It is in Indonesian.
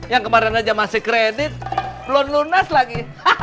yang kemarin aja masih kredit belum lunas lagi